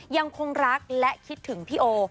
ยังคงรักและคิดถึงพี่โอ